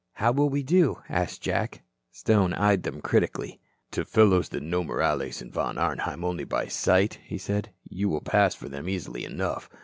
"How will we do?" asked Jack. Stone eyed them critically. "To fellows that know Morales and Von Arnheim only by sight," he said, "you will pass for them easily enough.